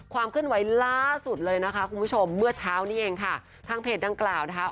เคลื่อนไหวล่าสุดเลยนะคะคุณผู้ชมเมื่อเช้านี้เองค่ะทางเพจดังกล่าวนะคะ